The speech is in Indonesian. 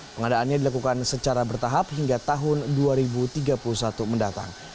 pengadaannya dilakukan secara bertahap hingga tahun dua ribu tiga puluh satu mendatang